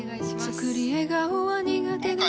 作り笑顔は苦手です。